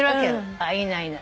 あっいいないいな。